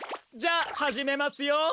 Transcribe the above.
じゃあはじめますよ！